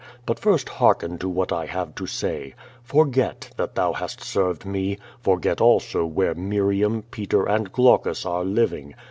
But first hearken to what I have to say. Forget tliat thou hast served me. Forget also whore Miriam, Potor, and Glaucus are living.